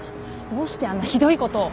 どうしてあんなひどいことを。